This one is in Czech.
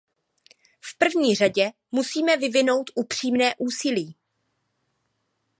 V první řadě musíme vyvinout upřímné úsilí.